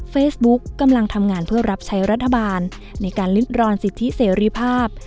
กำลังทำงานเพื่อรับใช้รัฐบาลในการลิดรอนสิทธิเสรีภาพ